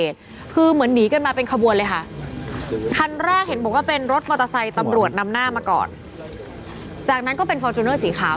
ตำรวจนำหน้ามาก่อนจากนั้นก็เป็นฟอร์จูเนอร์สีขาว